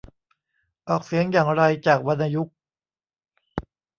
ออกเสียงอย่างไรจากวรรณยุกต์